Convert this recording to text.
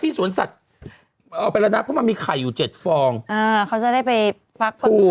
นี่น้องอรโลโลโหลเราก็ได้ความรู้ไปด้วย